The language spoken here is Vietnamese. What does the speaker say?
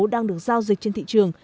đang được giao dịch trên thị trường